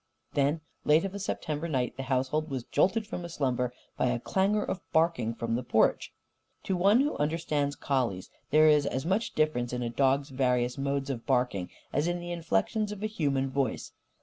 _" Then, late of a September night, the household was jolted from slumber by a clangour of barking from the porch. To one who understands collies, there is as much difference in a dog's various modes of barking as in the inflections of a human voice.